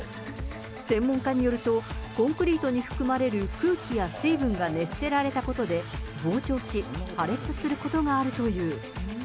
専門家によると、コンクリートに含まれる空気や水分が熱せられたことで膨張し、破裂することがあるという。